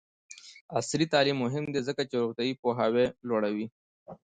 عصري تعلیم مهم دی ځکه چې روغتیایي پوهاوی لوړوي.